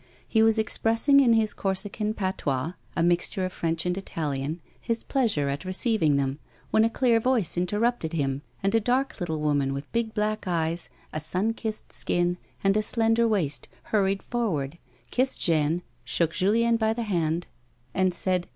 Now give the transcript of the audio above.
He was expressing in his Corsican patois (a mixture of French and Italian) his pleasure at receiving them, when a clear voice interrupted him, and a dark little woman, with big black eyes, a sun kissed skin, and a slender waist, hurried forward, kissed Jeanne, shook Julien by the hand and said : 72 A WOMAN'S LIFE.